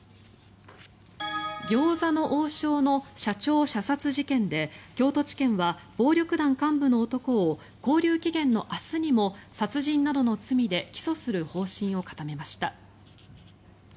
餃子の王将の社長射殺事件で京都地検は暴力団幹部の男を勾留期限の明日にも殺人などの罪で起訴する方針を固めました。